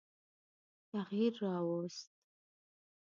تغییر را ووست.